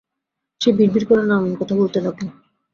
সে বিড়বিড় করে নানান কথা বলতে লাগল।